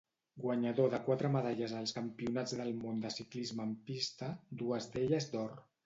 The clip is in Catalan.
Guanyador de quatre medalles als Campionats del Món de Ciclisme en pista, dues d'elles d'or.